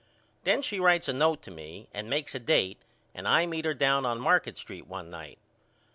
Then she writes a note to me and makes a date and I meet her down on Market Street one night.